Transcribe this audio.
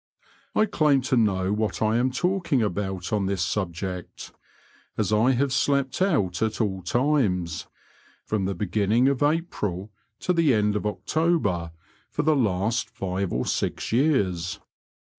I claim to know what I am talking about on this subject, as I have slept out at all times, from the beginning of April to the end of October, for the last fire or six years.